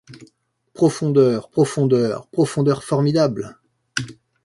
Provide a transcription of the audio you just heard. Profondeurs ! Profondeurs ! Profondeurs formidables !